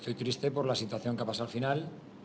tapi saya sedih karena situasi yang terjadi di final